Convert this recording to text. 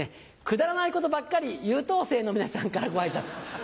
くだらないことばっかりイウ等生の皆さんからご挨拶。